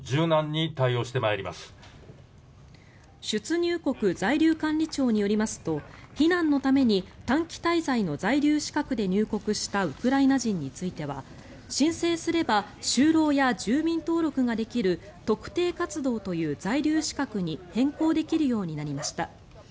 出入国在留管理庁によりますと避難のために短期滞在の在留資格で入国したウクライナ人については申請すれば就労や住民登録ができる特定活動という在留資格に変更できるようになりました。